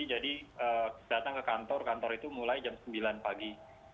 jadi datang ke kantor kantor itu mulai jam sembilan pagi